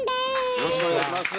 よろしくお願いします。